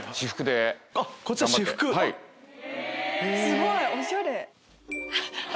すごい！おしゃれ。